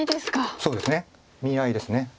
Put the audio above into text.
そうですね見合いです。